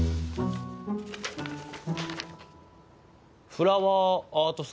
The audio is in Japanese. フラワーアート祭？